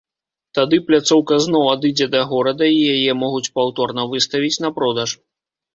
Тады пляцоўка зноў адыдзе да горада, і яе могуць паўторна выставіць на продаж.